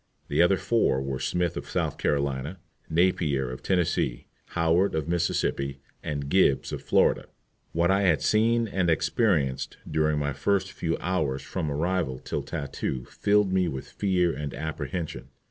The other four were Smith of South Carolina, Napier of Tennessee, Howard of Mississippi, and Gibbs of Florida. What I had seen and experienced during the few hours from my arrival till tattoo filled me with fear and apprehension.